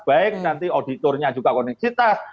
baik nanti auditornya juga koneksitas